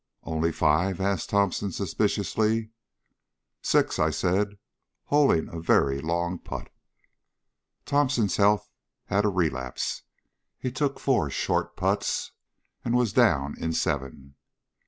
"Only five?" asked Thomson suspiciously. "Six," I said, holing a very long putt. Thomson's health had a relapse. He took four short putts and was down in seven.